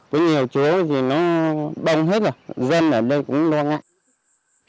có nhiều chỗ thì nó đông hết rồi dân ở đây cũng đông hết